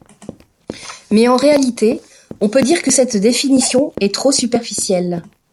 Mais en réalité, on peut dire que cette définition est trop superficielle.